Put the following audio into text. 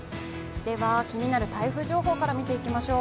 気になる台風情報から見ていきましょう。